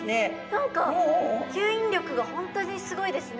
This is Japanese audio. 何か吸引力が本当にすごいですね。